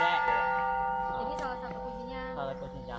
jadi salah satu kuncinya